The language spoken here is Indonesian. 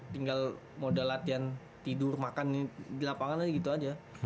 tinggal mau ada latihan tidur makan di lapangan aja gitu aja